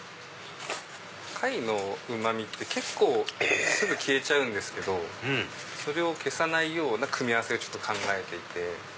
貝のうまみって結構すぐ消えちゃうんですけどそれを消さないような組み合わせを考えていて。